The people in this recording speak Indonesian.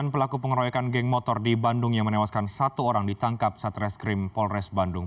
sembilan pelaku pengeroyokan geng motor di bandung yang menewaskan satu orang ditangkap saat reskrim polres bandung